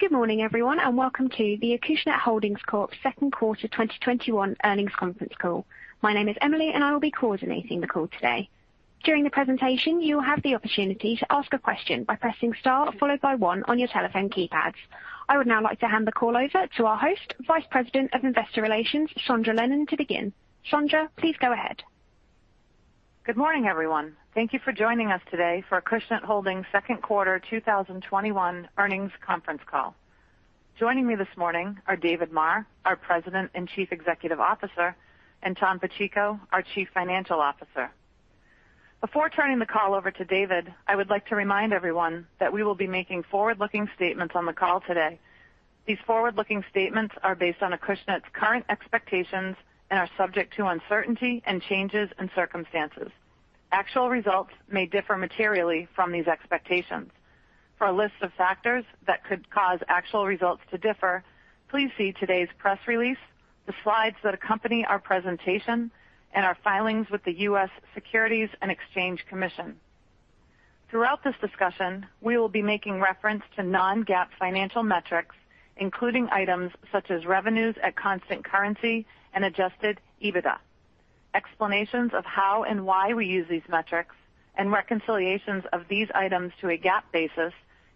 Good morning, everyone, and welcome to the Acushnet Holdings Corp Second Quarter 2021 Earnings Conference Call. My name is Emily and I will be coordinating the call today. During the presentation, you'll have the opportunity to ask a question by pressing star followed by one on your telephone keypad. I would now like to hand the call over to our host, Vice President of Investor Relations, Sondra Lennon, to begin. Sondra, please go ahead. Good morning, everyone. Thank you for joining us today for Acushnet Holdings second quarter 2021 earnings conference call. Joining me this morning are David Maher, our President and Chief Executive Officer, and Tom Pacheco, our Chief Financial Officer. Before turning the call over to David, I would like to remind everyone that we will be making forward-looking statements on the call today. These forward-looking statements are based on Acushnet's current expectations and are subject to uncertainty and changes in circumstances. Actual results may differ materially from these expectations. For a list of factors that could cause actual results to differ, please see today's press release, the slides that accompany our presentation, and our filings with the U.S. Securities and Exchange Commission. Throughout this discussion, we will be making reference to non-GAAP financial metrics, including items such as revenues at constant currency and adjusted EBITDA. Explanations of how and why we use these metrics, reconciliations of these items to a GAAP basis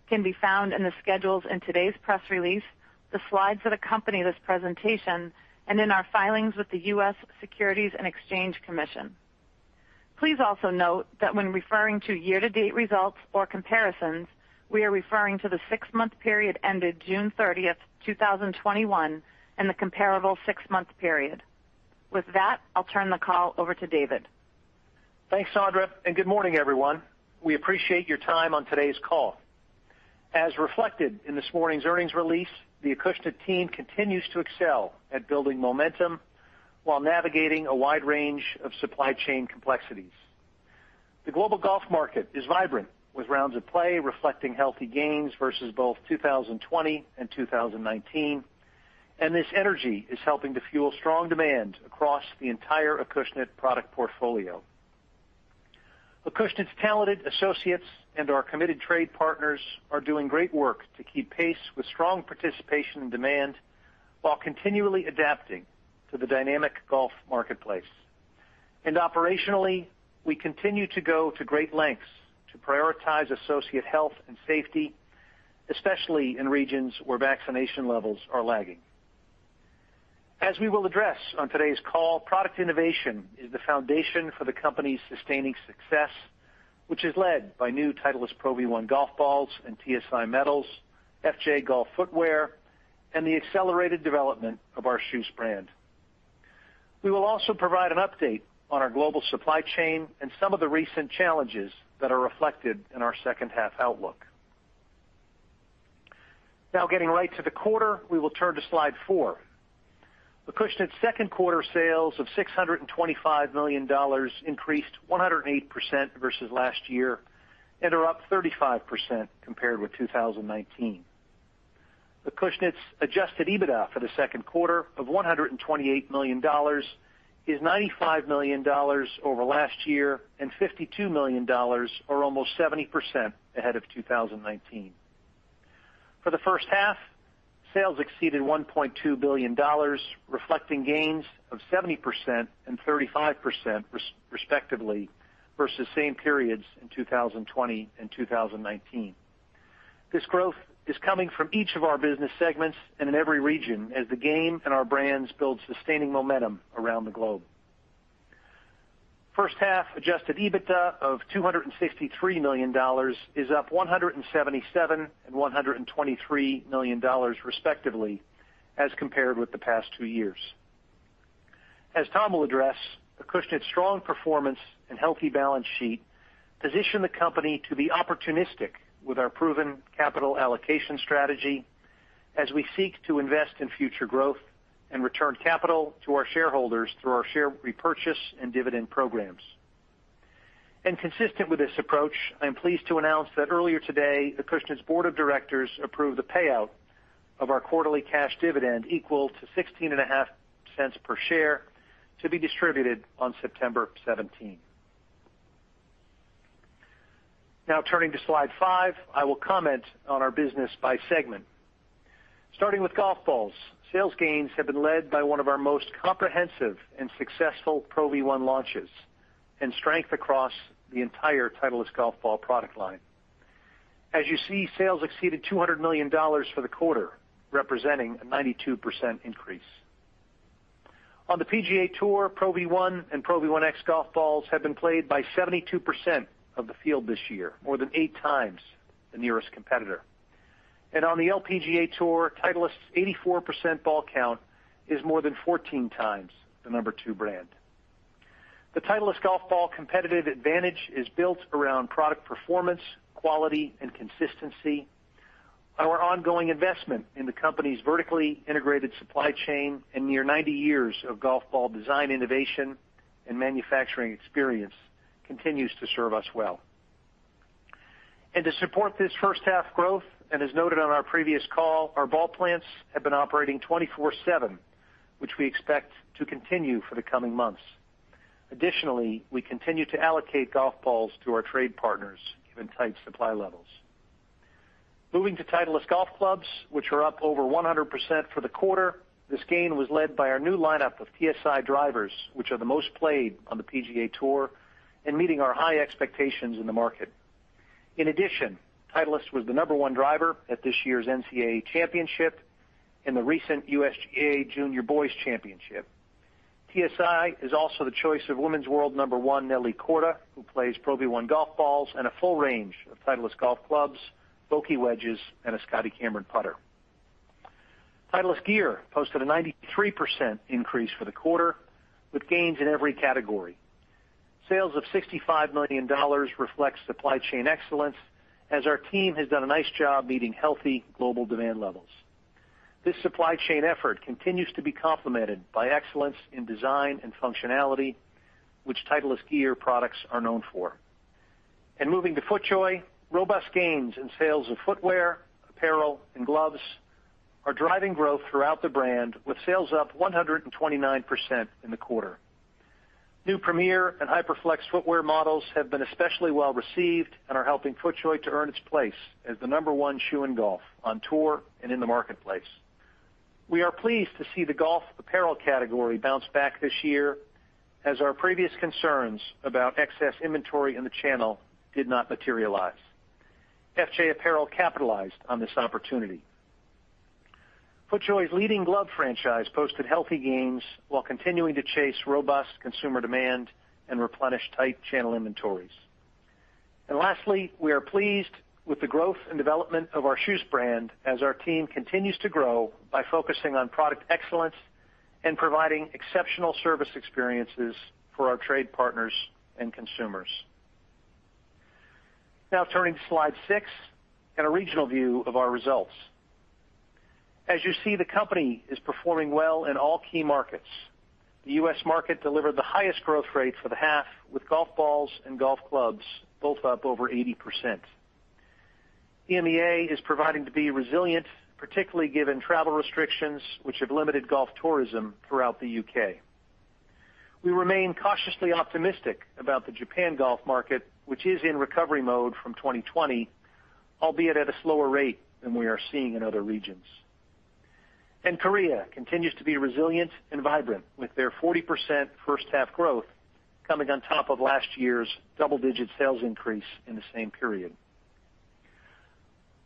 can be found in the schedules in today's press release, the slides that accompany this presentation, and in our filings with the U.S. Securities and Exchange Commission. Please also note that when referring to year-to-date results or comparisons, we are referring to the six-month period ended June 30th, 2021, and the comparable six-month period. With that, I'll turn the call over to David. Thanks, Sondra, and good morning, everyone. We appreciate your time on today's call. As reflected in this morning's earnings release, the Acushnet team continues to excel at building momentum while navigating a wide range of supply chain complexities. The global golf market is vibrant, with rounds of play reflecting healthy gains versus both 2020 and 2019, and this energy is helping to fuel strong demand across the entire Acushnet product portfolio. Acushnet's talented associates and our committed trade partners are doing great work to keep pace with strong participation and demand while continually adapting to the dynamic golf marketplace. Operationally, we continue to go to great lengths to prioritize associate health and safety, especially in regions where vaccination levels are lagging. As we will address on today's call, product innovation is the foundation for the company's sustaining success, which is led by new Titleist Pro V1 golf balls and TSi metals, FJ golf footwear, and the accelerated development of our KJUS brand. We will also provide an update on our global supply chain and some of the recent challenges that are reflected in our second half outlook. Getting right to the quarter, we will turn to slide four. Acushnet's second quarter sales of $625 million increased 108% versus last year and are up 35% compared with 2019. Acushnet's adjusted EBITDA for the second quarter of $128 million is $95 million over last year and $52 million or almost 70% ahead of 2019. For the first half, sales exceeded $1.2 billion, reflecting gains of 70% and 35% respectively, versus same periods in 2020 and 2019. This growth is coming from each of our business segments and in every region as the game and our brands build sustaining momentum around the globe. First half adjusted EBITDA of $263 million is up $177 million and $123 million respectively as compared with the past two years. As Tom will address, Acushnet's strong performance and healthy balance sheet position the company to be opportunistic with our proven capital allocation strategy as we seek to invest in future growth and return capital to our shareholders through our share repurchase and dividend programs. Consistent with this approach, I am pleased to announce that earlier today, Acushnet's board of directors approved the payout of our quarterly cash dividend equal to $0.165 per share to be distributed on September 17th. Turning to slide five, I will comment on our business by segment. Starting with golf balls, sales gains have been led by one of our most comprehensive and successful Pro V1 launches and strength across the entire Titleist golf ball product line. As you see, sales exceeded $200 million for the quarter, representing a 92% increase. On the PGA Tour, Pro V1 and Pro V1x golf balls have been played by 72% of the field this year, more than eight times the nearest competitor. On the LPGA Tour, Titleist's 84% ball count is more than 14 times the number two brand. The Titleist golf ball competitive advantage is built around product performance, quality, and consistency. Our ongoing investment in the company's vertically integrated supply chain and near 90 years of golf ball design innovation and manufacturing experience continues to serve us well. To support this first half growth, as noted on our previous call, our ball plants have been operating 24/7, which we expect to continue for the coming months. Additionally, we continue to allocate golf balls to our trade partners given tight supply levels. Moving to Titleist golf clubs, which are up over 100% for the quarter, this gain was led by our new lineup of TSi drivers, which are the most played on the PGA Tour and meeting our high expectations in the market. In addition, Titleist was the number one driver at this year's NCAA Championship and the recent U.S. Junior Boys Championship. TSi is also the choice of Women's World Number 1, Nelly Korda, who plays Pro V1 golf balls and a full range of Titleist golf clubs, Vokey wedges, and a Scotty Cameron putter. Titleist gear posted a 93% increase for the quarter, with gains in every category. Sales of $65 million reflects supply chain excellence as our team has done a nice job meeting healthy global demand levels. This supply chain effort continues to be complemented by excellence in design and functionality, which Titleist gear products are known for. Moving to FootJoy, robust gains in sales of footwear, apparel, and gloves are driving growth throughout the brand, with sales up 129% in the quarter. New Premiere and HyperFlex footwear models have been especially well-received and are helping FootJoy to earn its place as the number one shoe in golf on tour and in the marketplace. We are pleased to see the golf apparel category bounce back this year as our previous concerns about excess inventory in the channel did not materialize. FJ Apparel capitalized on this opportunity. FootJoy's leading glove franchise posted healthy gains while continuing to chase robust consumer demand and replenish tight channel inventories. Lastly, we are pleased with the growth and development of our KJUS brand as our team continues to grow by focusing on product excellence and providing exceptional service experiences for our trade partners and consumers. Now turning to slide six and a regional view of our results. As you see, the company is performing well in all key markets. The U.S. market delivered the highest growth rate for the half, with golf balls and golf clubs both up over 80%. EMEA is proving to be resilient, particularly given travel restrictions, which have limited golf tourism throughout the U.K. We remain cautiously optimistic about the Japan golf market, which is in recovery mode from 2020, albeit at a slower rate than we are seeing in other regions. Korea continues to be resilient and vibrant with their 40% first-half growth coming on top of last year's double-digit sales increase in the same period.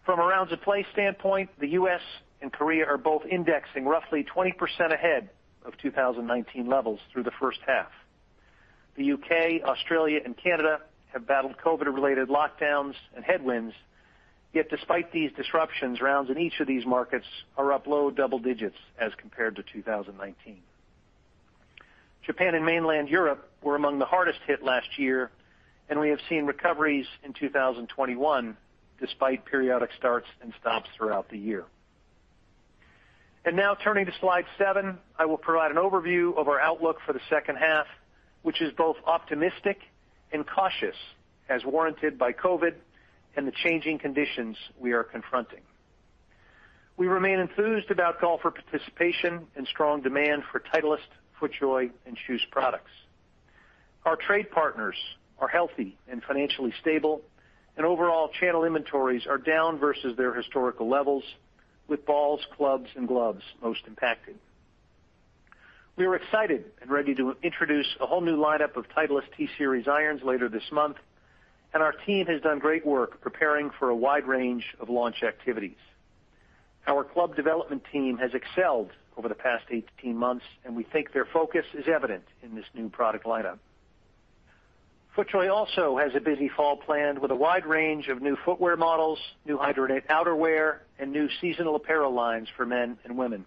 From a rounds of play standpoint, the U.S. and Korea are both indexing roughly 20% ahead of 2019 levels through the first half. The U.K., Australia, and Canada have battled COVID-related lockdowns and headwinds. Yet despite these disruptions, rounds in each of these markets are up low double digits as compared to 2019. Japan and mainland Europe were among the hardest hit last year, and we have seen recoveries in 2021, despite periodic starts and stops throughout the year. Now turning to slide seven, I will provide an overview of our outlook for the second half, which is both optimistic and cautious, as warranted by COVID and the changing conditions we are confronting. We remain enthused about golfer participation and strong demand for Titleist, FootJoy, and KJUS products. Our trade partners are healthy and financially stable, and overall channel inventories are down versus their historical levels, with balls, clubs, and gloves most impacted. We are excited and ready to introduce a whole new lineup of Titleist T-Series irons later this month, and our team has done great work preparing for a wide range of launch activities. Our club development team has excelled over the past 18 months, and we think their focus is evident in this new product lineup. FootJoy also has a busy fall planned with a wide range of new footwear models, new HydroKnit outerwear, and new seasonal apparel lines for men and women.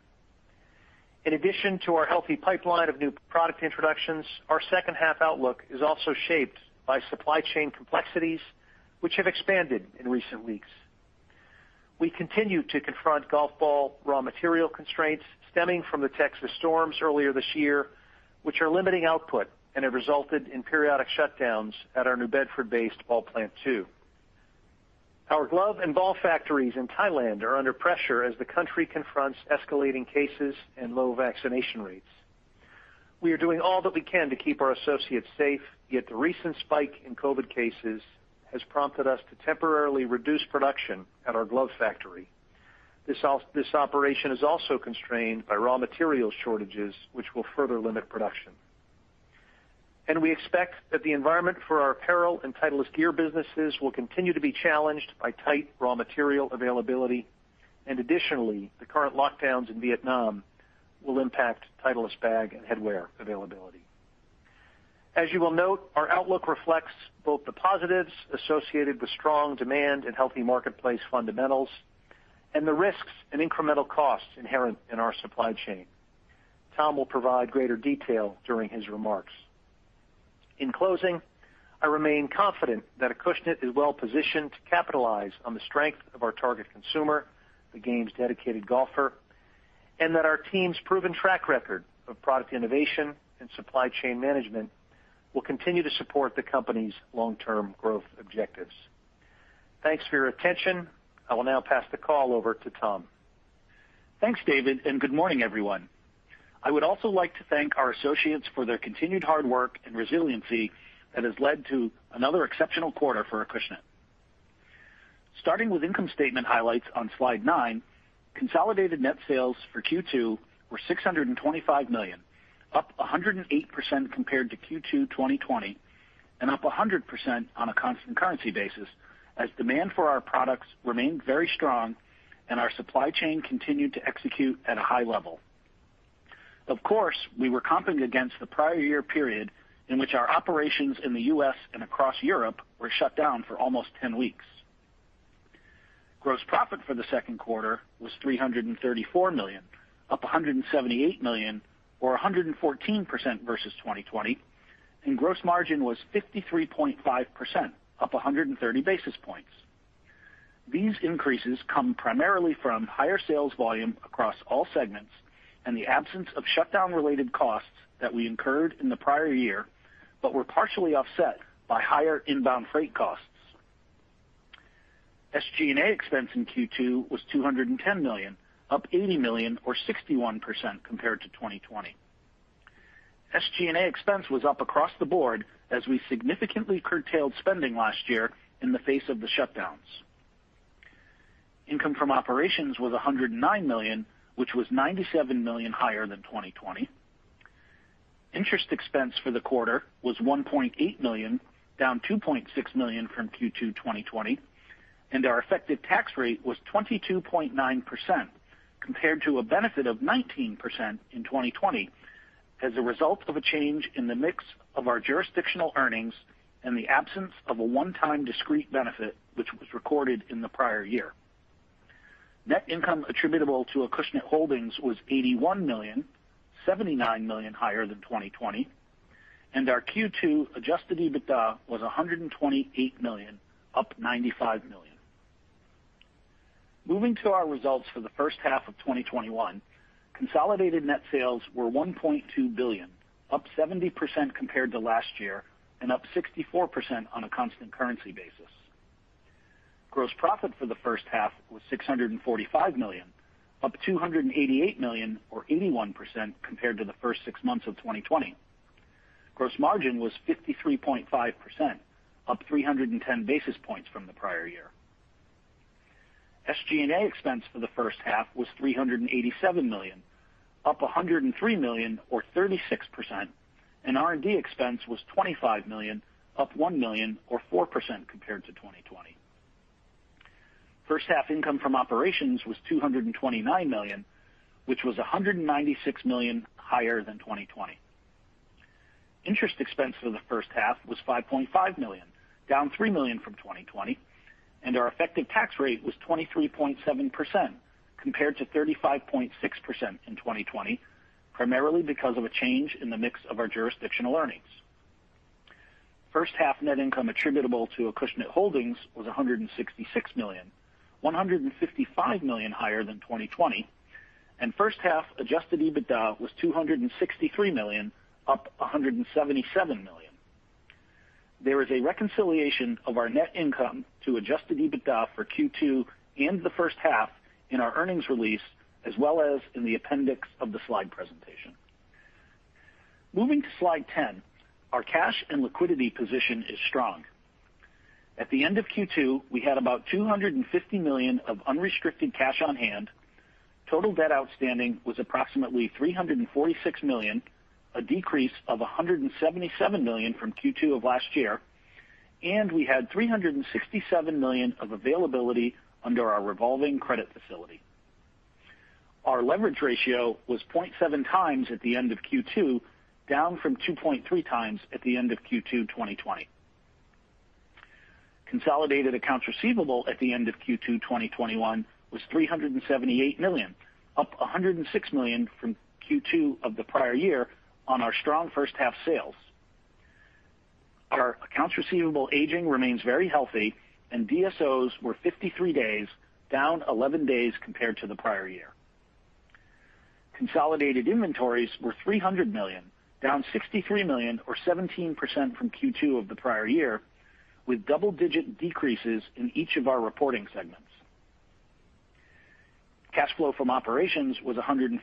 In addition to our healthy pipeline of new product introductions, our second half outlook is also shaped by supply chain complexities, which have expanded in recent weeks. We continue to confront golf ball raw material constraints stemming from the Texas storms earlier this year, which are limiting output and have resulted in periodic shutdowns at our New Bedford-based Ball Plant 2. Our glove and ball factories in Thailand are under pressure as the country confronts escalating cases and low vaccination rates. We are doing all that we can to keep our associates safe, yet the recent spike in COVID cases has prompted us to temporarily reduce production at our glove factory. This operation is also constrained by raw material shortages, which will further limit production. We expect that the environment for our apparel and Titleist gear businesses will continue to be challenged by tight raw material availability, and additionally, the current lockdowns in Vietnam will impact Titleist bag and headwear availability. As you will note, our outlook reflects both the positives associated with strong demand and healthy marketplace fundamentals and the risks and incremental costs inherent in our supply chain. Tom will provide greater detail during his remarks. In closing, I remain confident that Acushnet is well positioned to capitalize on the strength of our target consumer, the game's dedicated golfer, and that our team's proven track record of product innovation and supply chain management will continue to support the company's long-term growth objectives. Thanks for your attention. I will now pass the call over to Tom. Thanks, David. Good morning, everyone. I would also like to thank our associates for their continued hard work and resiliency that has led to another exceptional quarter for Acushnet. Starting with income statement highlights on slide nine, consolidated net sales for Q2 were $625 million, up 108% compared to Q2 2020, and up 100% on a constant currency basis, as demand for our products remained very strong and our supply chain continued to execute at a high level. Of course, we were comping against the prior year period in which our operations in the U.S. and across Europe were shut down for almost 10 weeks. Gross profit for the second quarter was $334 million, up $178 million or 114% versus 2020, and gross margin was 53.5%, up 130 basis points. These increases come primarily from higher sales volume across all segments and the absence of shutdown-related costs that we incurred in the prior year, were partially offset by higher inbound freight costs. SG&A expense in Q2 was $210 million, up $80 million or 61% compared to 2020. SG&A expense was up across the board as we significantly curtailed spending last year in the face of the shutdowns. Income from operations was $109 million, which was $97 million higher than 2020. Interest expense for the quarter was $1.8 million, down $2.6 million from Q2 2020, and our effective tax rate was 22.9%, compared to a benefit of 19% in 2020 as a result of a change in the mix of our jurisdictional earnings and the absence of a one-time discrete benefit, which was recorded in the prior year. Net income attributable to Acushnet Holdings was $81 million, $79 million higher than 2020, and our Q2 adjusted EBITDA was $128 million, up $95 million. Moving to our results for the first half of 2021, consolidated net sales were $1.2 billion, up 70% compared to last year, and up 64% on a constant currency basis. Gross profit for the first half was $645 million, up $288 million or 81% compared to the first six months of 2020. Gross margin was 53.5%, up 310 basis points from the prior year. SG&A expense for the first half was $387 million, up $103 million or 36%, and R&D expense was $25 million, up $1 million or 4% compared to 2020. First half income from operations was $229 million, which was $196 million higher than 2020. Interest expense for the first half was $5.5 million, down $3 million from 2020, and our effective tax rate was 23.7%, compared to 35.6% in 2020, primarily because of a change in the mix of our jurisdictional earnings. First half net income attributable to Acushnet Holdings was $166 million, $155 million higher than 2020, and first half adjusted EBITDA was $263 million, up $177 million. There is a reconciliation of our net income to adjusted EBITDA for Q2 and the first half in our earnings release, as well as in the appendix of the slide presentation. Moving to slide 10, our cash and liquidity position is strong. At the end of Q2, we had about $250 million of unrestricted cash on hand. Total debt outstanding was approximately $346 million, a decrease of $177 million from Q2 of last year. We had $367 million of availability under our revolving credit facility. Our leverage ratio was 0.7x at the end of Q2, down from 2.3x at the end of Q2 2020. Consolidated accounts receivable at the end of Q2 2021 was $378 million, up $106 million from Q2 of the prior year on our strong first half sales. Our accounts receivable aging remains very healthy and DSOs were 53 days, down 11 days compared to the prior year. Consolidated inventories were $300 million, down $63 million or 17% from Q2 of the prior year, with double-digit decreases in each of our reporting segments. Cash flow from operations was $152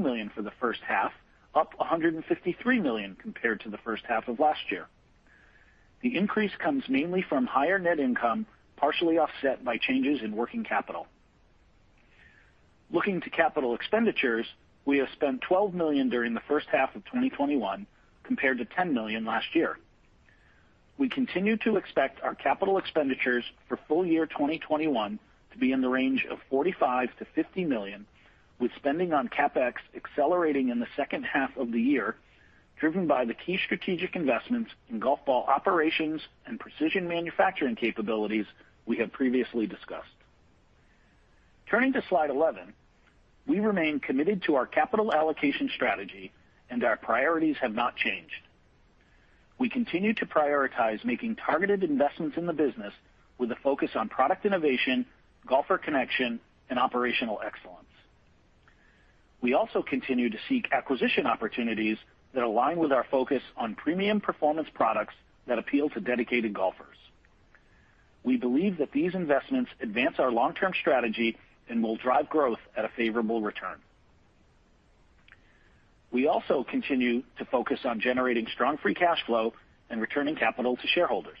million for the first half, up $153 million compared to the first half of last year. The increase comes mainly from higher net income, partially offset by changes in working capital. Looking to capital expenditures, we have spent $12 million during the first half of 2021, compared to $10 million last year. We continue to expect our capital expenditures for full year 2021 to be in the range of $45 million-$50 million, with spending on CapEx accelerating in the second half of the year, driven by the key strategic investments in golf ball operations and precision manufacturing capabilities we have previously discussed. Turning to slide 11, we remain committed to our capital allocation strategy and our priorities have not changed. We continue to prioritize making targeted investments in the business with a focus on product innovation, golfer connection, and operational excellence. We also continue to seek acquisition opportunities that align with our focus on premium performance products that appeal to dedicated golfers. We believe that these investments advance our long-term strategy and will drive growth at a favorable return. We also continue to focus on generating strong free cash flow and returning capital to shareholders.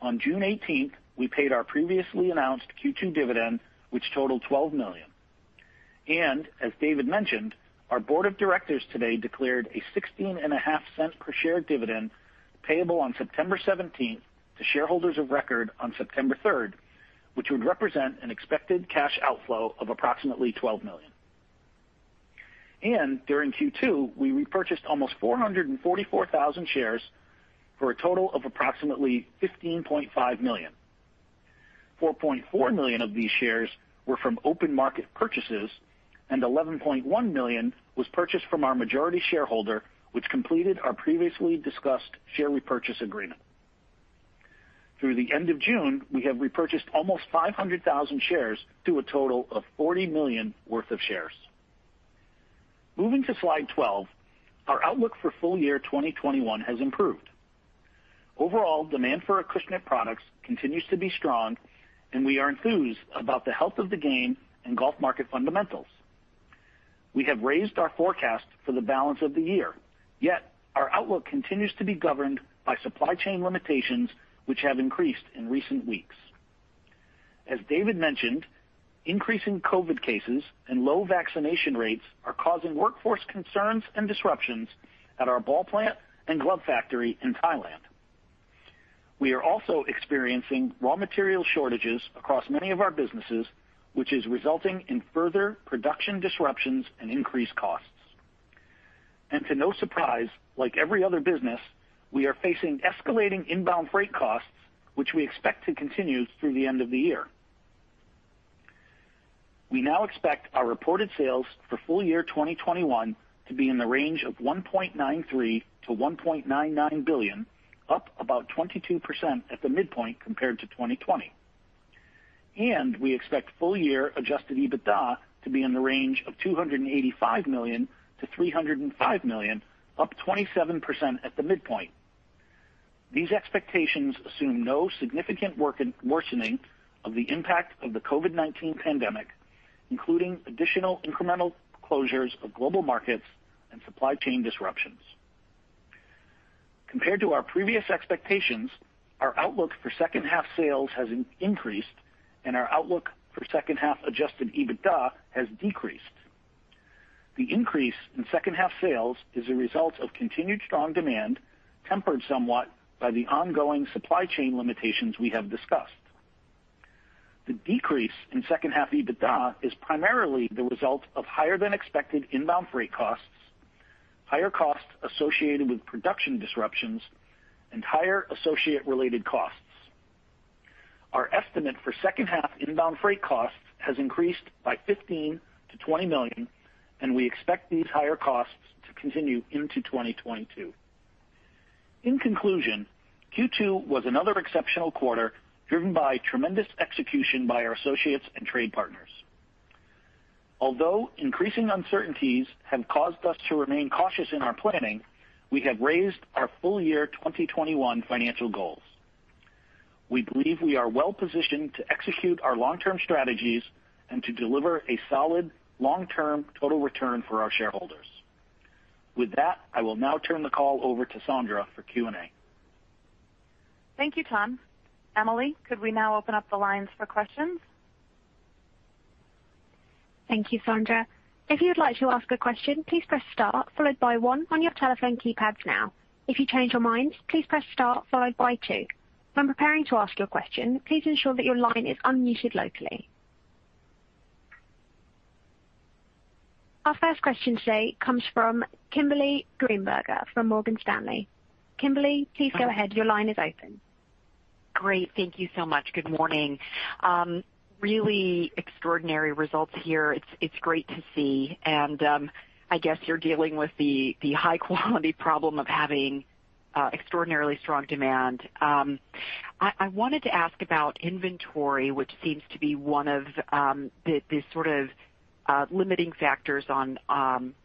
On June 18th, we paid our previously announced Q2 dividend, which totaled $12 million. As David mentioned, our board of directors today declared a $0.165 per share dividend payable on September 17th to shareholders of record on September 3rd, which would represent an expected cash outflow of approximately $12 million. During Q2, we repurchased almost 444,000 shares for a total of approximately $15.5 million. $4.4 million of these shares were from open market purchases, and $11.1 million was purchased from our majority shareholder, which completed our previously discussed share repurchase agreement. Through the end of June, we have repurchased almost 500,000 shares to a total of $40 million worth of shares. Moving to slide 12, our outlook for full year 2021 has improved. Overall, demand for Acushnet products continues to be strong, and we are enthused about the health of the game and golf market fundamentals. We have raised our forecast for the balance of the year. Our outlook continues to be governed by supply chain limitations, which have increased in recent weeks. As David mentioned, increasing COVID cases and low vaccination rates are causing workforce concerns and disruptions at our ball plant and glove factory in Thailand. We are also experiencing raw material shortages across many of our businesses, which is resulting in further production disruptions and increased costs. To no surprise, like every other business, we are facing escalating inbound freight costs, which we expect to continue through the end of the year. We now expect our reported sales for full year 2021 to be in the range of $1.93 billion-$1.99 billion, up about 22% at the midpoint compared to 2020. We expect full year adjusted EBITDA to be in the range of $285 million-$305 million, up 27% at the midpoint. These expectations assume no significant worsening of the impact of the COVID-19 pandemic, including additional incremental closures of global markets and supply chain disruptions. Compared to our previous expectations, our outlook for second half sales has increased, and our outlook for second half adjusted EBITDA has decreased. The increase in second half sales is a result of continued strong demand, tempered somewhat by the ongoing supply chain limitations we have discussed. The decrease in second half EBITDA is primarily the result of higher than expected inbound freight costs, higher costs associated with production disruptions, and higher associate related costs. Our estimate for second half inbound freight costs has increased by $15 million-$20 million, and we expect these higher costs to continue into 2022. In conclusion, Q2 was another exceptional quarter, driven by tremendous execution by our associates and trade partners. Although increasing uncertainties have caused us to remain cautious in our planning, we have raised our full year 2021 financial goals. We believe we are well positioned to execute our long-term strategies and to deliver a solid long-term total return for our shareholders. With that, I will now turn the call over to Sondra for Q&A. Thank you, Tom. Emily, could we now open up the lines for questions? Thank you, Sondra. If you would like to ask a question, please press star followed by one on your telephone keypad now. If you changed your mind, please press star followed by two. From preparing to ask your question, please ensure that your line is unmuted locally. Our first question today comes from Kimberly Greenberger from Morgan Stanley. Kimberly, please go ahead. Your line is open. Great. Thank you so much. Good morning. Really extraordinary results here. It's great to see. I guess you're dealing with the high quality problem of having extraordinarily strong demand. I wanted to ask about inventory, which seems to be one of the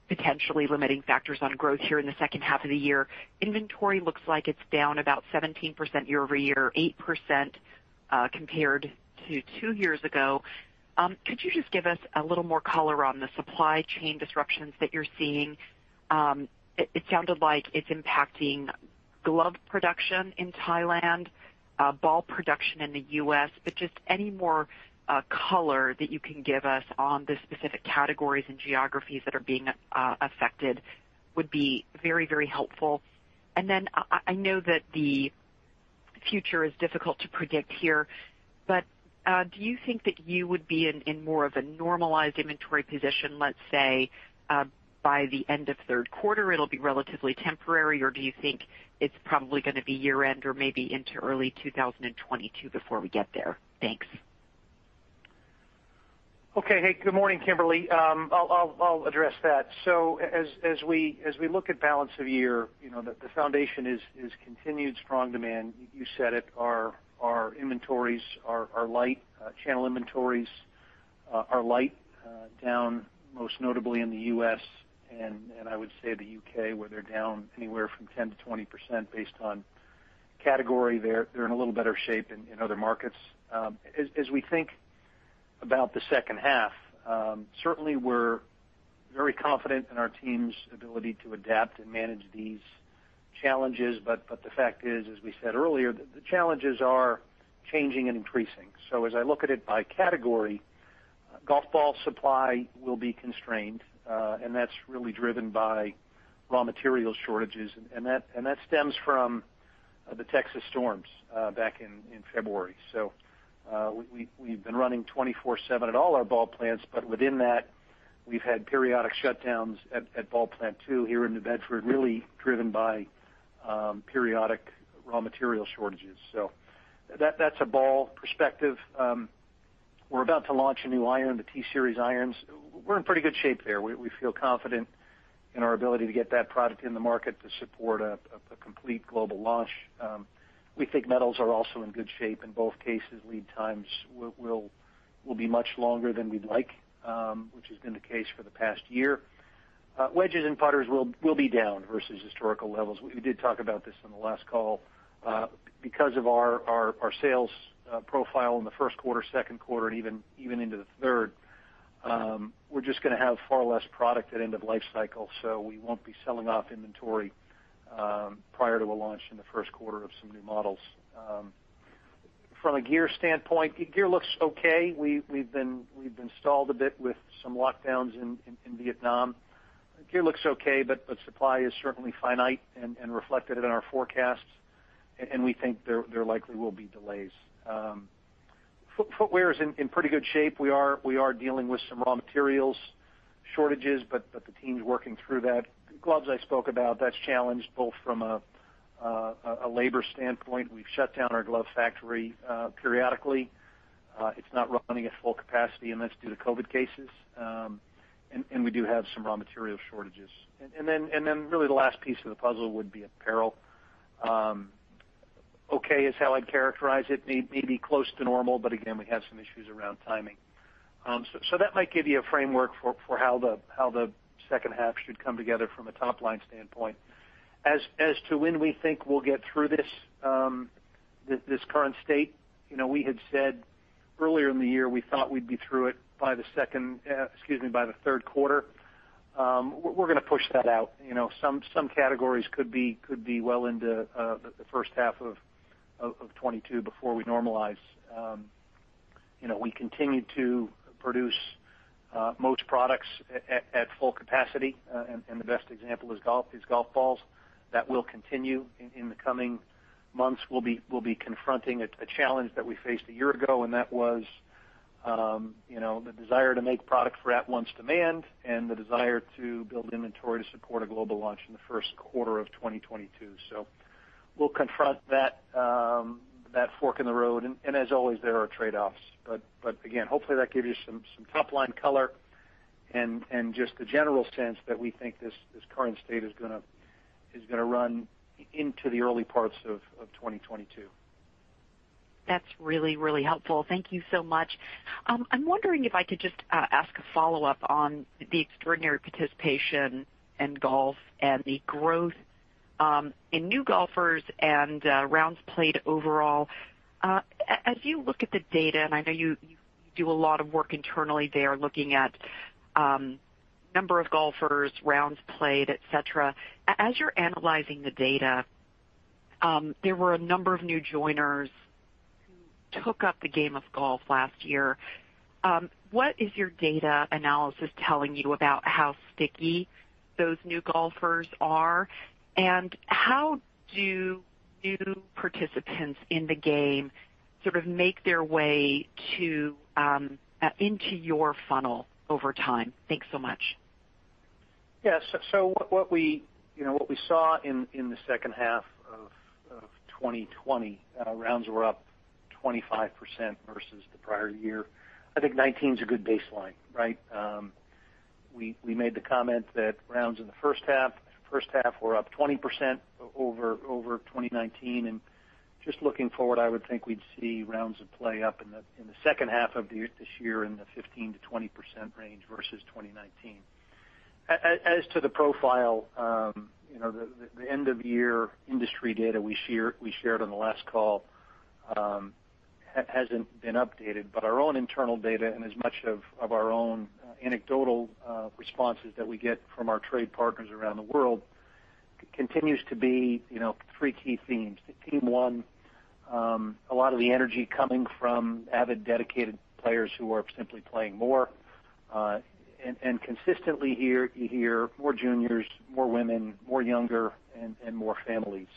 potentially limiting factors on growth here in the second half of the year. Inventory looks like it's down about 17% year-over-year, 8% compared to two years ago. Could you just give us a little more color on the supply chain disruptions that you're seeing? It sounded like it's impacting glove production in Thailand, ball production in the U.S., just any more color that you can give us on the specific categories and geographies that are being affected would be very helpful. I know that the future is difficult to predict here, do you think that you would be in more of a normalized inventory position, let's say, by the end of third quarter, it'll be relatively temporary? Do you think it's probably going to be year end or maybe into early 2022 before we get there? Thanks. Okay. Hey, good morning, Kimberly. I'll address that. As we look at balance of year, the foundation is continued strong demand. You said it, our inventories are light. Channel inventories Are light down most notably in the U.S. and I would say the U.K., where they're down anywhere from 10% to 20% based on category. They're in a little better shape in other markets. As we think about the second half, certainly we're very confident in our team's ability to adapt and manage these challenges. The fact is, as we said earlier, the challenges are changing and increasing. As I look at it by category, golf ball supply will be constrained, and that's really driven by raw material shortages. That stems from the Texas storms back in February. We've been running 24/7 at all our ball plants, but within that, we've had periodic shutdowns at Ball Plant 2 here in New Bedford, really driven by periodic raw material shortages. That's a ball perspective. We're about to launch a new iron, the T-Series irons. We're in pretty good shape there. We feel confident in our ability to get that product in the market to support a complete global launch. We think metals are also in good shape. In both cases, lead times will be much longer than we'd like, which has been the case for the past year. Wedges and putters will be down versus historical levels. We did talk about this on the last call. Because of our sales profile in the first quarter, second quarter, and even into the third, we're just going to have far less product at end of life cycle, so we won't be selling off inventory prior to a launch in the first quarter of some new models. From a gear standpoint, gear looks okay. We've been stalled a bit with some lockdowns in Vietnam. Gear looks okay, but supply is certainly finite and reflected in our forecasts, and we think there likely will be delays. Footwear is in pretty good shape. We are dealing with some raw materials shortages, but the team's working through that. Gloves I spoke about, that's challenged both from a labor standpoint. We've shut down our glove factory periodically. It's not running at full capacity, and that's due to COVID cases. We do have some raw material shortages. Really the last piece of the puzzle would be apparel. Okay is how I'd characterize it. Maybe close to normal, but again, we have some issues around timing. That might give you a framework for how the second half should come together from a top-line standpoint. As to when we think we'll get through this current state, we had said earlier in the year, we thought we'd be through it by the third quarter. We're going to push that out. Some categories could be well into the first half of 2022 before we normalize. We continue to produce most products at full capacity. The best example is golf balls. That will continue in the coming months. We'll be confronting a challenge that we faced a year ago, and that was the desire to make product for at-once demand and the desire to build inventory to support a global launch in the first quarter of 2022. We'll confront that fork in the road. As always, there are trade-offs. Again, hopefully that gives you some top-line color and just the general sense that we think this current state is going to run into the early parts of 2022. That's really helpful. Thank you so much. I'm wondering if I could just ask a follow-up on the extraordinary participation in golf and the growth in new golfers and rounds played overall. As you look at the data, and I know you do a lot of work internally there looking at number of golfers, rounds played, et cetera. As you're analyzing the data, there were a number of new joiners who took up the game of golf last year. What is your data analysis telling you about how sticky those new golfers are? How do new participants in the game sort of make their way into your funnel over time? Thanks so much. What we saw in the second half of 2020, rounds were up 25% versus the prior year. I think 2019's a good baseline, right? We made the comment that rounds in the first half were up 20% over 2019, just looking forward, I would think we'd see rounds of play up in the second half of this year in the 15%-20% range versus 2019. As to the profile, the end-of-year industry data we shared on the last call hasn't been updated, our own internal data, and as much of our own anecdotal responses that we get from our trade partners around the world, continues to be three key themes. Theme one, a lot of the energy coming from avid, dedicated players who are simply playing more. Consistently here, you hear more juniors, more women, more younger, and more families.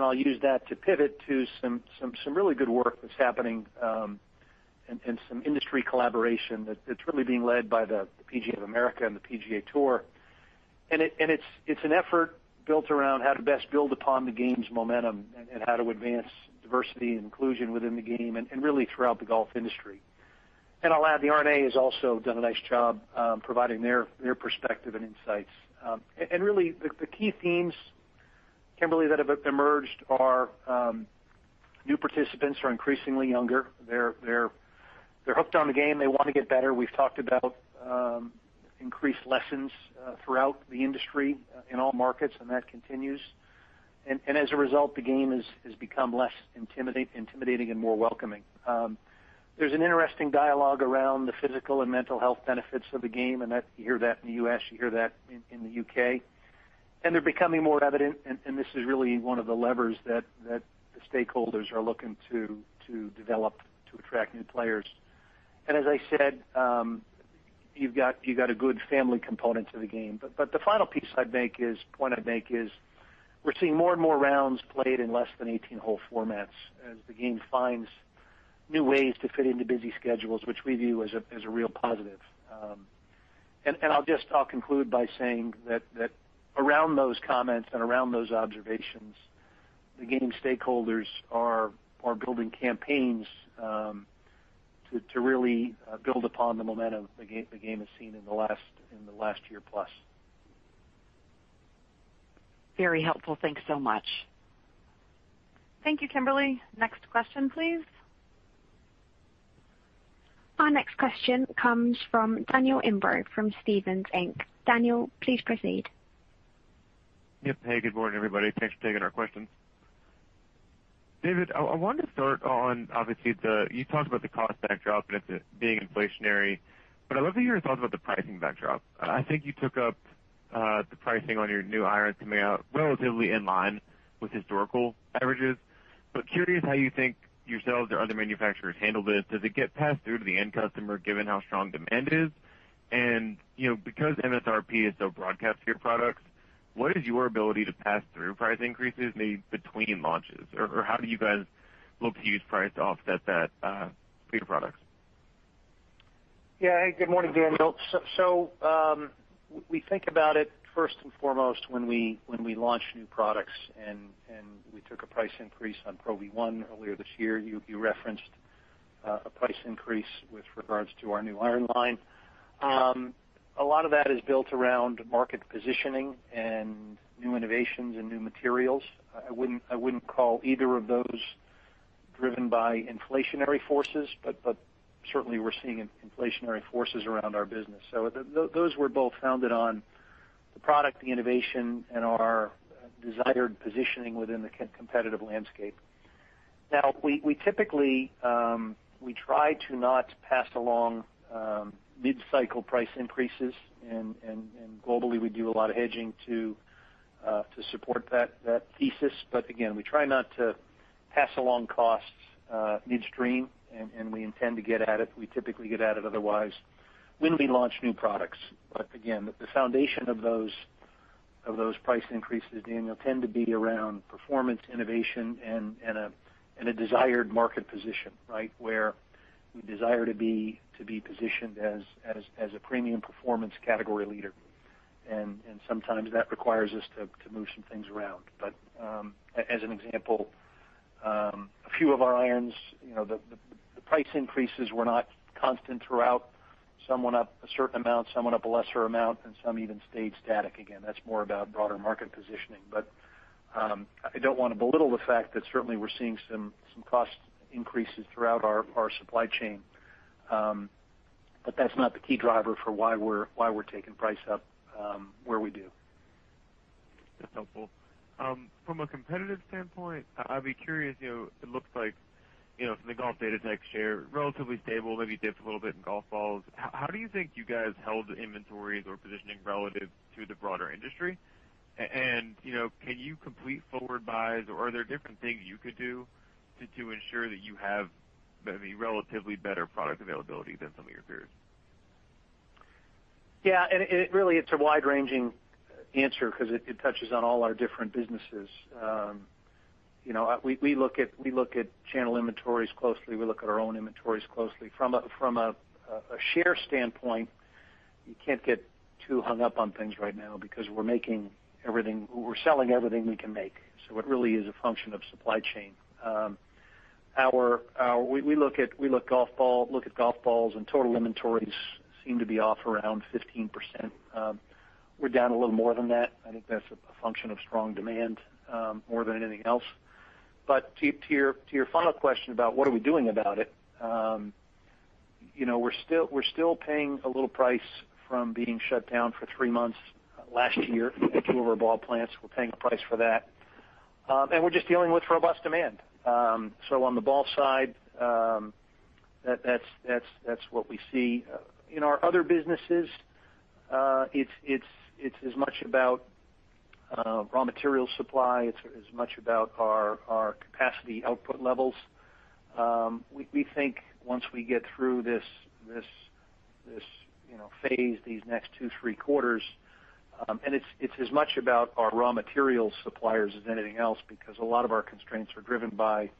I'll use that to pivot to some really good work that's happening and some industry collaboration that's really being led by the PGA of America and the PGA Tour. It's an effort built around how to best build upon the game's momentum and how to advance diversity and inclusion within the game and really throughout the golf industry. I'll add, the R&A has also done a nice job providing their perspective and insights. Really, the key themes Kimberly, that have emerged are new participants are increasingly younger. They're hooked on the game. They want to get better. We've talked about increased lessons throughout the industry in all markets, and that continues. As a result, the game has become less intimidating and more welcoming. There's an interesting dialogue around the physical and mental health benefits of the game. You hear that in the U.S., you hear that in the U.K. They're becoming more evident, and this is really one of the levers that the stakeholders are looking to develop to attract new players. As I said, you've got a good family component to the game. The final point I'd make is we're seeing more and more rounds played in less than 18-hole formats as the game finds new ways to fit into busy schedules, which we view as a real positive. I'll conclude by saying that around those comments and around those observations, the gaming stakeholders are building campaigns to really build upon the momentum the game has seen in the last year plus. Very helpful. Thanks so much. Thank you, Kimberly. Next question, please. Our next question comes from Daniel Imbro from Stephens Inc. Daniel, please proceed. Yep. Hey, good morning, everybody. Thanks for taking our questions. David, I wanted to start on, obviously, you talked about the cost backdrop and it being inflationary, but I'd love to hear your thoughts about the pricing backdrop. I think you took up the pricing on your new irons coming out relatively in line with historical averages, but curious how you think yourselves or other manufacturers handled it. Does it get passed through to the end customer, given how strong demand is? Because MSRP is so broad across your products, what is your ability to pass through price increases maybe between launches? How do you guys look to use price to offset that for your products? Hey, good morning, Daniel. We think about it first and foremost when we launch new products, and we took a price increase on Pro V1 earlier this year. You referenced a price increase with regards to our new iron line. A lot of that is built around market positioning and new innovations and new materials. I wouldn't call either of those driven by inflationary forces, but certainly we're seeing inflationary forces around our business. Those were both founded on the product, the innovation, and our desired positioning within the competitive landscape. Now, we typically try to not pass along mid-cycle price increases, and globally, we do a lot of hedging to support that thesis. We try not to pass along costs midstream, and we intend to get at it. We typically get at it otherwise when we launch new products. Again, the foundation of those price increases, Daniel, tend to be around performance innovation and a desired market position, where we desire to be positioned as a premium performance category leader. Sometimes that requires us to move some things around. As an example, a few of our irons, the price increases were not constant throughout. Some went up a certain amount, some went up a lesser amount, and some even stayed static. Again, that's more about broader market positioning. I don't want to belittle the fact that certainly we're seeing some cost increases throughout our supply chain. That's not the key driver for why we're taking price up where we do. That's helpful. From a competitive standpoint, I'd be curious, it looks like from the Golf Datatech share, relatively stable, maybe dipped a little bit in golf balls. How do you think you guys held inventories or positioning relative to the broader industry? Can you complete forward buys, or are there different things you could do to ensure that you have maybe relatively better product availability than some of your peers? Really, it's a wide-ranging answer because it touches on all our different businesses. We look at channel inventories closely. We look at our own inventories closely. From a share standpoint, you can't get too hung up on things right now because we're selling everything we can make. It really is a function of supply chain. We look at golf balls and total inventories seem to be off around 15%. We're down a little more than that. I think that's a function of strong demand more than anything else. To your final question about what are we doing about it, we're still paying a little price from being shut down for three months last year at two of our ball plants. We're paying a price for that. We're just dealing with robust demand. On the ball side, that's what we see. In our other businesses, it's as much about raw material supply. It's as much about our capacity output levels. We think once we get through this phase, these next two, three quarters, it's as much about our raw material suppliers as anything else, because a lot of our constraints are driven by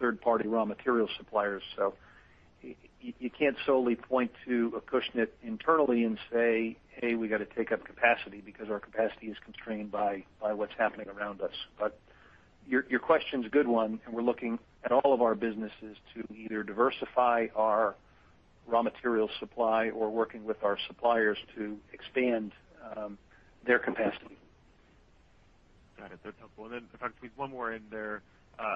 third-party raw material suppliers. You can't solely point to Acushnet internally and say, "Hey, we got to take up capacity," because our capacity is constrained by what's happening around us. Your question's a good one. We're looking at all of our businesses to either diversify our raw material supply or working with our suppliers to expand their capacity. Got it. That's helpful. If I could squeeze one more in there.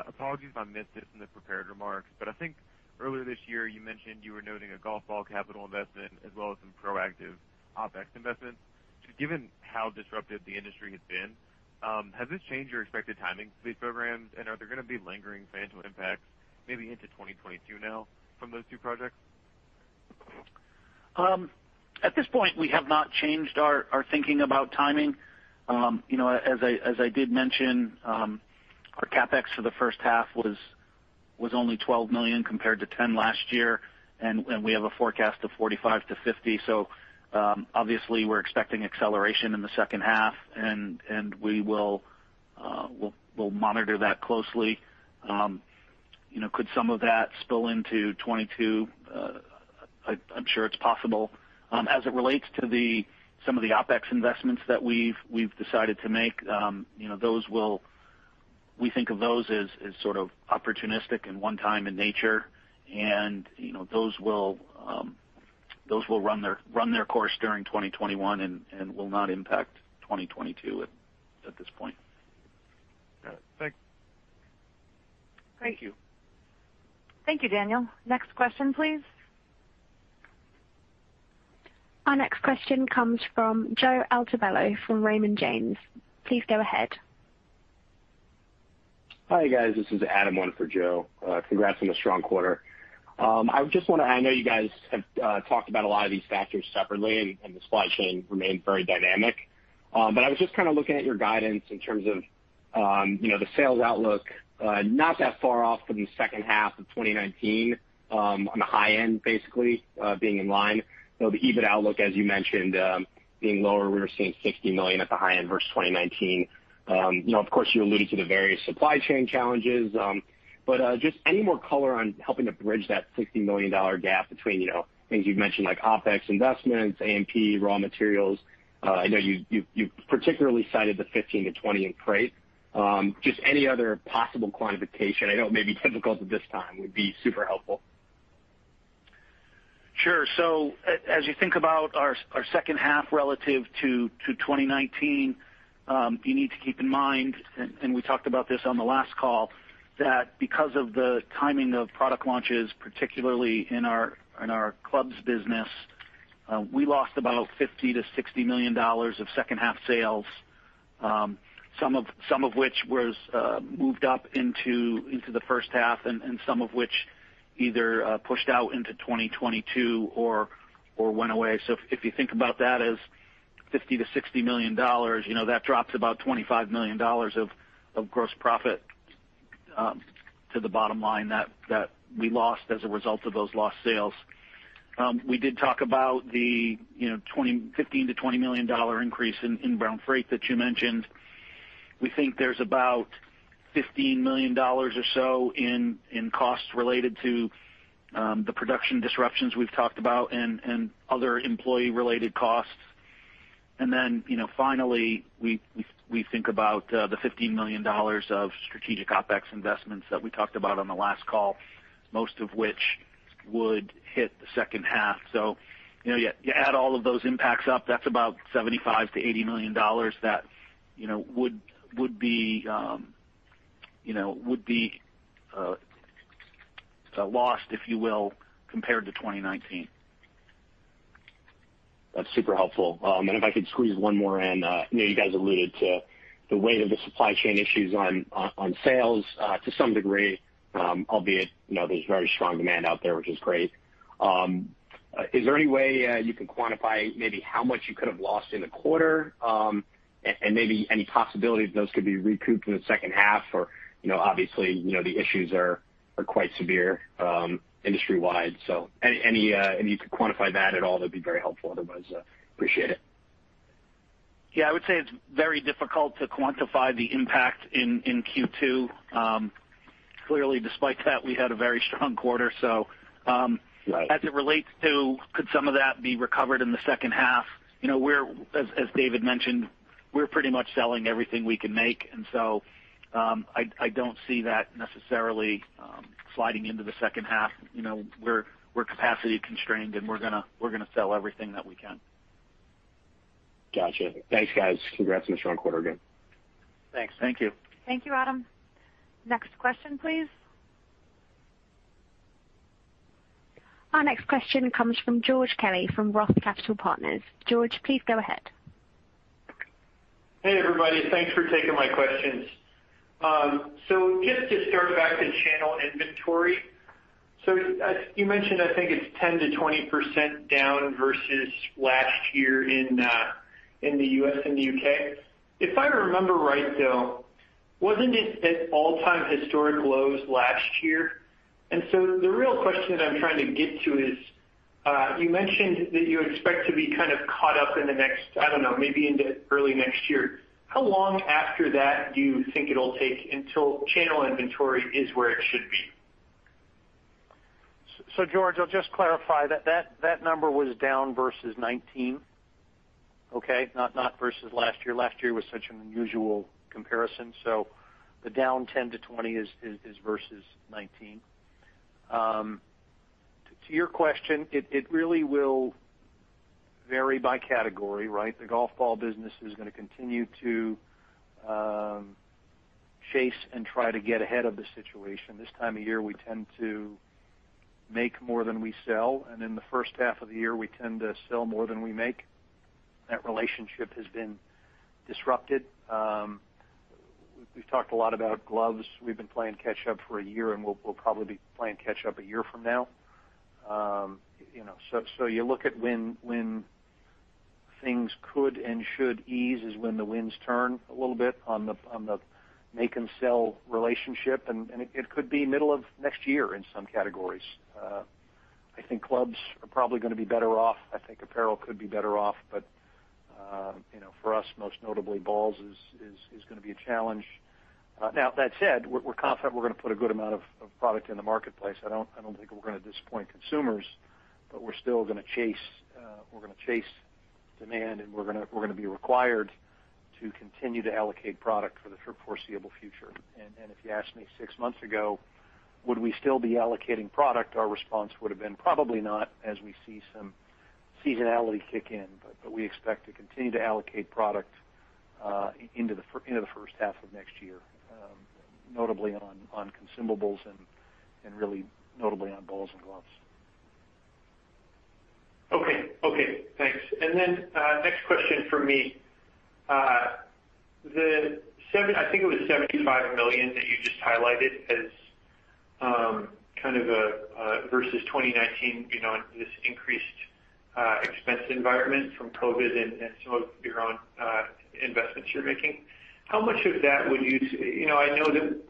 Apologies if I missed this in the prepared remarks, I think earlier this year you mentioned you were noting a golf ball capital investment as well as some proactive OpEx investments. Given how disruptive the industry has been, has this changed your expected timing for these programs? Are there going to be lingering financial impacts maybe into 2022 now from those two projects? At this point, we have not changed our thinking about timing. As I did mention, our CapEx for the first half was only $12 million compared to $10 million last year, and we have a forecast of $45 million-$50 million. Obviously we're expecting acceleration in the second half, and we'll monitor that closely. Could some of that spill into 2022? I'm sure it's possible. As it relates to some of the OpEx investments that we've decided to make, we think of those as sort of opportunistic and one time in nature. Those will run their course during 2021 and will not impact 2022 at this point. Got it. Thanks. Thank you. Thank you, Daniel. Next question, please. Our next question comes from Joe Altobello from Raymond James. Please go ahead. Hi, guys. This is Adam, one for Joe. Congrats on the strong quarter. I know you guys have talked about a lot of these factors separately and the supply chain remains very dynamic. I was just kind of looking at your guidance in terms of the sales outlook, not that far off from the second half of 2019 on the high end basically being in line. The EBIT outlook, as you mentioned, being lower. We were seeing $60 million at the high end versus 2019. Of course, you alluded to the various supply chain challenges. Just any more color on helping to bridge that $60 million gap between things you've mentioned like OpEx investments, A&P, raw materials? I know you particularly cited the $15 million-$20 million in freight. Just any other possible quantification, I know it may be difficult at this time, would be super helpful. Sure. As you think about our second half relative to 2019, you need to keep in mind, and we talked about this on the last call, that because of the timing of product launches, particularly in our clubs business, we lost about $50 million-$60 million of second half sales. Some of which was moved up into the first half and some of which either pushed out into 2022 or went away. If you think about that as $50 million-$60 million, that drops about $25 million of gross profit to the bottom line that we lost as a result of those lost sales. We did talk about the $15 million-$20 million increase in bound freight that you mentioned. We think there's about $15 million or so in costs related to the production disruptions we've talked about and other employee related costs. Finally, we think about the $15 million of strategic OpEx investments that we talked about on the last call, most of which would hit the second half. You add all of those impacts up, that's about $75 million-$80 million that would be lost, if you will, compared to 2019. That's super helpful. If I could squeeze one more in. I know you guys alluded to the weight of the supply chain issues on sales to some degree, albeit there's very strong demand out there, which is great. Is there any way you can quantify maybe how much you could have lost in the quarter? Maybe any possibility that those could be recouped in the second half or obviously, the issues are quite severe industry wide. If you could quantify that at all, that'd be very helpful. Otherwise, appreciate it. I would say it's very difficult to quantify the impact in Q2. Clearly despite that, we had a very strong quarter. Right. As it relates to could some of that be recovered in the second half, as David mentioned, we're pretty much selling everything we can make. I don't see that necessarily sliding into the second half. We're capacity constrained, and we're going to sell everything that we can. Got you. Thanks, guys. Congrats on a strong quarter again. Thanks. Thank you. Thank you, Adam. Next question, please. Our next question comes from George Kelly from Roth Capital Partners. George, please go ahead. Hey, everybody. Thanks for taking my questions. Just to start back to channel inventory. You mentioned, I think it's 10%-20% down versus last year in the U.S. and the U.K. If I remember right, though, wasn't it at all time historic lows last year? The real question that I'm trying to get to is, you mentioned that you expect to be kind of caught up in the next, I don't know, maybe into early next year. How long after that do you think it'll take until channel inventory is where it should be? George, I'll just clarify that number was down versus 2019, okay? Not versus last year. Last year was such an unusual comparison. The down 10%-20% is versus 2019. To your question, it really will vary by category, right? The golf ball business is going to continue to chase and try to get ahead of the situation. This time of year, we tend to make more than we sell, and in the first half of the year, we tend to sell more than we make. That relationship has been disrupted. We've talked a lot about gloves. We've been playing catch up for a year, and we'll probably be playing catch up a year from now. You look at when things could and should ease is when the winds turn a little bit on the make and sell relationship, and it could be middle of next year in some categories. I think clubs are probably going to be better off. I think apparel could be better off, but for us, most notably balls is going to be a challenge. That said, we're confident we're going to put a good amount of product in the marketplace. I don't think we're going to disappoint consumers, but we're still going to chase demand, and we're going to be required to continue to allocate product for the foreseeable future. If you asked me six months ago, would we still be allocating product, our response would have been probably not, as we see some seasonality kick in. We expect to continue to allocate product into the first half of next year, notably on consumables and really notably on balls and gloves. Okay, thanks. Next question from me. I think it was $75 million that you just highlighted as kind of versus 2019, this increased expense environment from COVID and some of your own investments you're making. I know that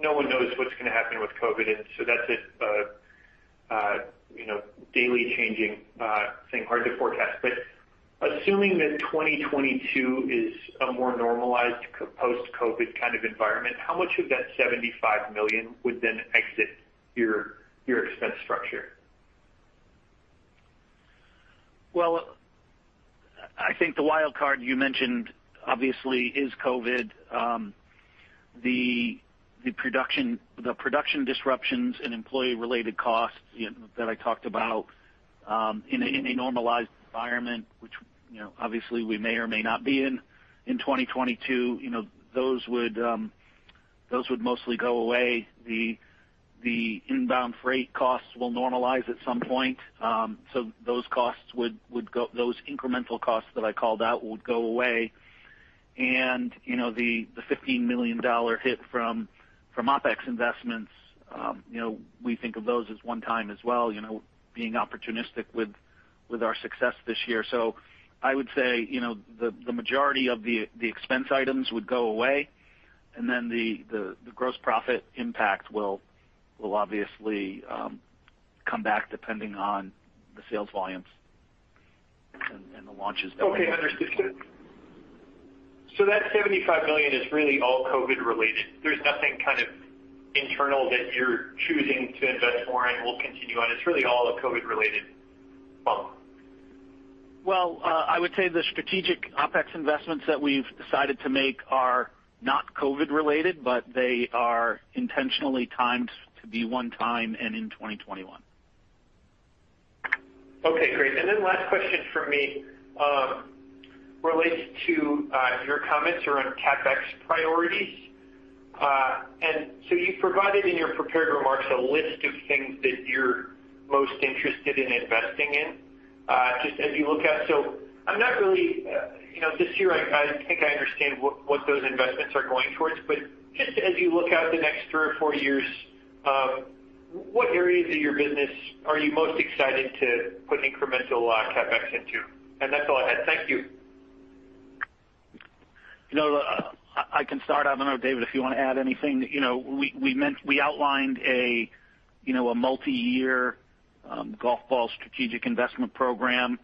no one knows what's going to happen with COVID. That's a daily changing thing, hard to forecast. Assuming that 2022 is a more normalized post-COVID kind of environment, how much of that $75 million would then exit your expense structure? I think the wild card you mentioned, obviously, is COVID. The production disruptions and employee-related costs that I talked about in a normalized environment, which obviously we may or may not be in in 2022, those would mostly go away. The inbound freight costs will normalize at some point, so those incremental costs that I called out would go away. The $15 million hit from OpEx investments, we think of those as one time as well, being opportunistic with our success this year. I would say, the majority of the expense items would go away, and then the gross profit impact will obviously come back depending on the sales volumes and the launches that we make. Okay, understood. That $75 million is really all COVID related. There's nothing kind of internal that you're choosing to invest more in, will continue on. It's really all a COVID related bump. Well, I would say the strategic OpEx investments that we've decided to make are not COVID related, but they are intentionally timed to be one time and in 2021. Okay, great. Last question from me relates to your comments around CapEx priorities. You provided in your prepared remarks a list of things that you're most interested in investing in. Just as you look out, I'm not really this year, I think I understand what those investments are going towards, but just as you look out the next three or four years, what areas of your business are you most excited to put incremental CapEx into? That's all I had. Thank you. I can start. I don't know, David, if you want to add anything. We outlined a multi-year golf ball strategic investment program.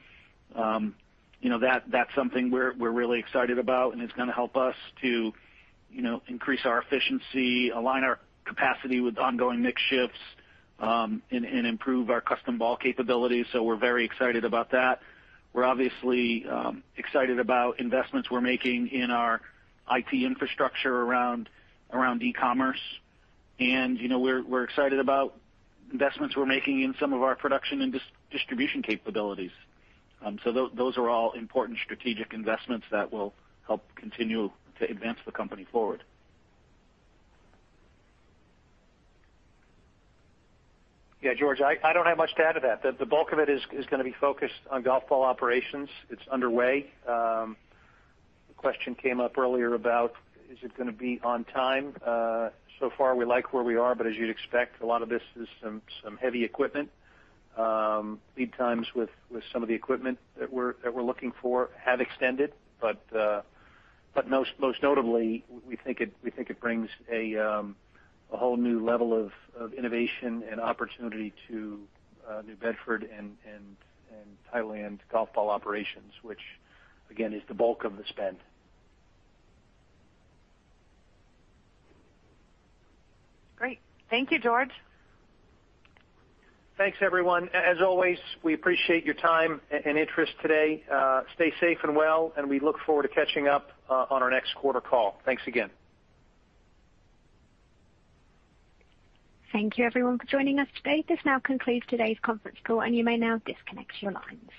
That's something we're really excited about, and it's going to help us to increase our efficiency, align our capacity with ongoing mix shifts, and improve our custom ball capabilities. We're very excited about that. We're obviously excited about investments we're making in our IT infrastructure around e-commerce. We're excited about investments we're making in some of our production and distribution capabilities. Those are all important strategic investments that will help continue to advance the company forward. Yeah, George, I don't have much to add to that. The bulk of it is going to be focused on golf ball operations. It's underway. The question came up earlier about is it going to be on time? So far, we like where we are, but as you'd expect, a lot of this is some heavy equipment. Lead times with some of the equipment that we're looking for have extended, but most notably, we think it brings a whole new level of innovation and opportunity to New Bedford and Thailand golf ball operations, which again, is the bulk of the spend. Great. Thank you, George. Thanks, everyone. As always, we appreciate your time and interest today. Stay safe and well, and we look forward to catching up on our next quarter call. Thanks again. Thank you everyone for joining us today. This now concludes today's conference call, and you may now disconnect your lines.